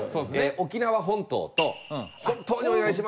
「沖縄本島」と「本当にお願いします」っていう。